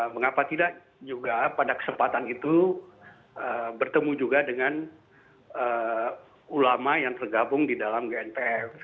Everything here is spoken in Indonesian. mengapa tidak juga pada kesempatan itu bertemu juga dengan ulama yang tergabung di dalam gnpf